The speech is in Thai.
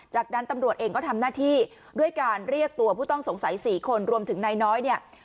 จากนั้นตำรวจเองก็ทำหน้าที่ด้วยการเรียกตัวผู้ต้องสงสัย๔คนรวมถึงนายน้อยเนี่ย